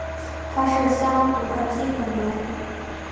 它是相图的基本原理。